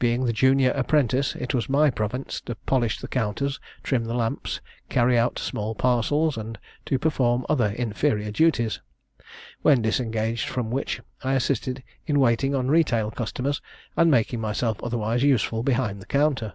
Being the junior apprentice, it was my province to polish the counters, trim the lamps, carry out small parcels, and to perform other inferior duties; when disengaged from which, I assisted in waiting on retail customers and making myself otherwise useful behind the counter.